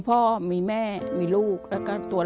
ทำงานชื่อนางหยาดฝนภูมิสุขอายุ๕๔ปี